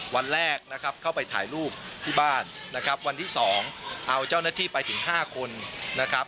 วันแรกเข้าไปถ่ายรูปที่บ้านวันที่๒เอาเจ้าหน้าที่ไปถึง๕คน